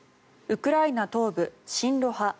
ウクライナ東部、親ロ派